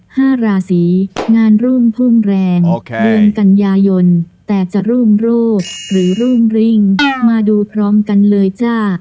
ห้าราศีงานรุ่งพุ่งแรงเดือนกันยายนแต่จะรุ่งโรธหรือรุ่งริ่งมาดูพร้อมกันเลยจ้า